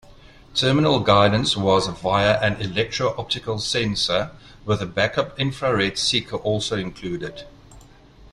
Terminal guidance was via an electro-optical sensor, with a backup infrared seeker also included.